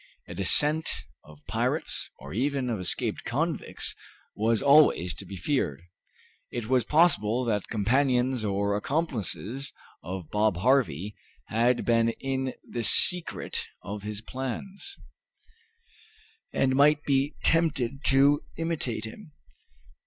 A descent of pirates, or even of escaped convicts, was always to be feared. It was possible that companions or accomplices of Bob Harvey had been in the secret of his plans, and might be tempted to imitate him.